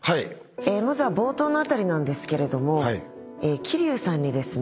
まずは冒頭の辺りなんですけれども吉柳さんにですね